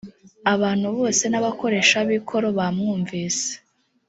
abantu bose n abakoresha b ikoro bamwumvise